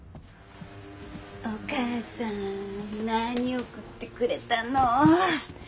お母さん何送ってくれたの。